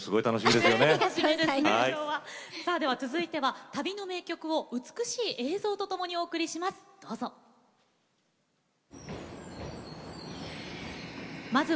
では続いては旅の名曲を美しい映像とともにお届けしてまいります。